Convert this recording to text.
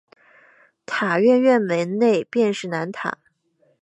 塔院院门内便是南塔。